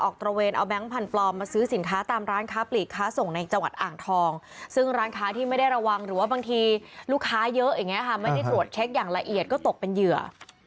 ตระเวนเอาแก๊งพันธ์ปลอมมาซื้อสินค้าตามร้านค้าปลีกค้าส่งในจังหวัดอ่างทองซึ่งร้านค้าที่ไม่ได้ระวังหรือว่าบางทีลูกค้าเยอะอย่างนี้ค่ะไม่ได้ตรวจเช็คอย่างละเอียดก็ตกเป็นเหยื่อ